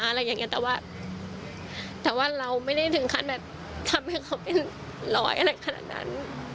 อะไรอย่างเงี้ยแต่ว่าเราไม่ได้ถึงครั้งแบบทำให้เขาเป็นลอยคนนั้น